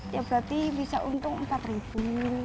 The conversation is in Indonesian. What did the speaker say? ya berarti bisa untung empat ribu